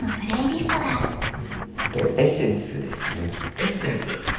エッセンス？